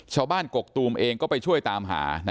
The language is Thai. ชาวบ้านกกกตูมเองก็ไปช่วยตามหา